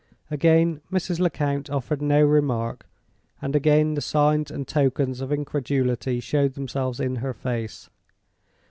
Again Mrs. Lecount offered no remark, and again the signs and tokens of incredulity showed themselves in her face.